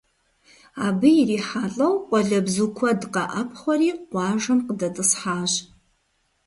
Абы ирихьэлӀэу къуалэбзу куэд къэӀэпхъуэри къуажэм къыдэтӀысхьащ.